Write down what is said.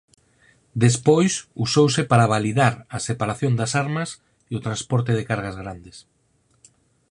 Despois usouse para validar a separación das armas e o transporte da cargas grandes.